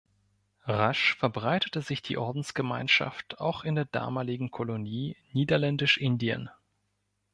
Rasch verbreitete sich die Ordensgemeinschaft auch in der damaligen Kolonie Niederländisch-Indien.